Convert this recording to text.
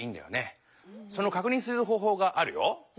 そのかくにんする方ほうがあるよ。